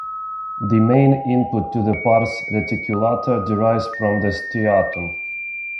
The main input to the pars reticulata derives from the striatum.